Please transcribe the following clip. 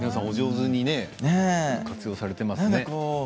お上手に活用されていますね。